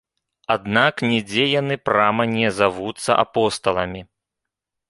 Аднак нідзе яны прама не завуцца апосталамі.